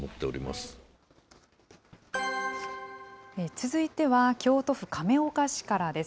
続いては京都府亀岡市からです。